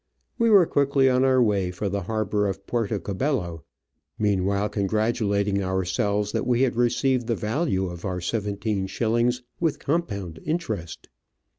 We were quickly on our way for the harbour of Puerto Cabello, meanwhile congratu lating ourselves that we had received the value of our seventeen shillings with compound interest.